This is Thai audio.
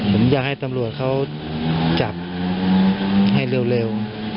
ผมอยากให้ตำรวจเขาจับให้เร็ว